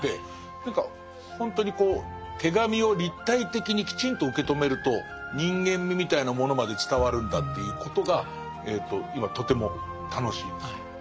何かほんとにこう手紙を立体的にきちんと受け止めると人間味みたいなものまで伝わるんだということが今とても楽しいです。